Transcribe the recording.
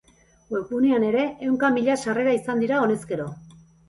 Webgunean ere ehunka mila sarrera izan dira honezkero.